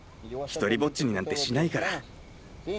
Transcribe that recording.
独りぼっちになんてしないから。